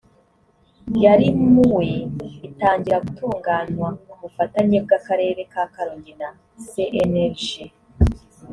yarimuwe itangira gutunganywa ku bufatanye bw akarere ka karongi na cnlg